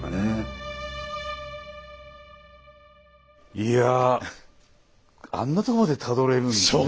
いやあんなところまでたどれるんですね。